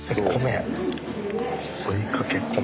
追いかけ米。